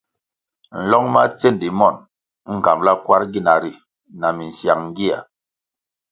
Nlong ma tsendi mon ngambʼla kwarʼ gina ri na minsyang gia.